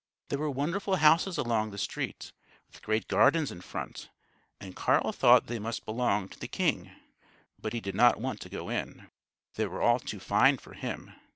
There were wonderful houses along the street, with great gardens in front; and Carl thought that they must belong to the king, but he did not want to go in. They were all too fine for him.